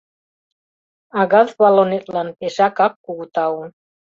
— А газ баллонетлан пешакак кугу тау.